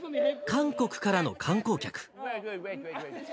韓国からの観光客。